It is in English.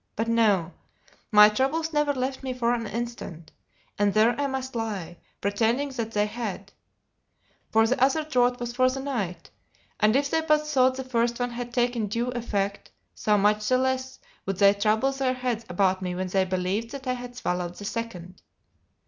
But no; my troubles never left me for an instant; and there I must lie, pretending that they had! For the other draught was for the night; and if they but thought the first one had taken due effect, so much the less would they trouble their heads about me when they believed that I had swallowed the second.